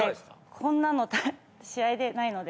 こんなの試合でないので。